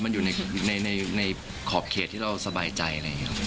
มันอยู่ในขอบเขตที่เราสบายใจอะไรอย่างนี้